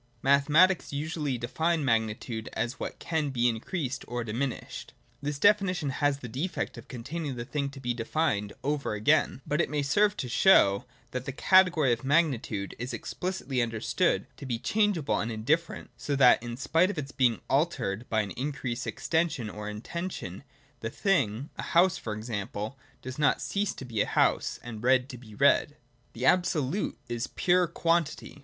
(2) Mathematics usually define magnitude as what can be increased or dimi nished. This definition has the defect of containing the thing to be defined over again : but it may serve to show that the category of magnitude is explicitly understood to be changeable and indifferent, so that, in spite of its being altered by an increased extension or intension, the thing, a house, for example, does not cease to be a house, and red to be red. (3) The Abso lute is pure Quantity.